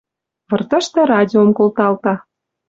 Выртышты радиом колталта